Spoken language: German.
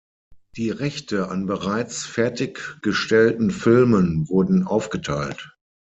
Die Rechte an bereits fertiggestellten Filmen wurden aufgeteilt.